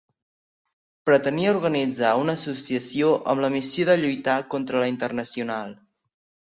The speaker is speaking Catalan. Pretenia, organitzar una associació amb la missió de lluitar contra la Internacional.